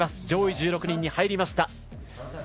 上位１６人に入りました。